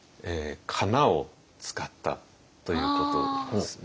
かなを使ったということですね。